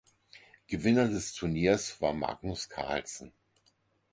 Gewinner des Turniers war Magnus Carlsen.